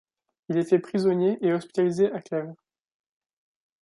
Il est fait prisonnier et hospitalisé à Clèves.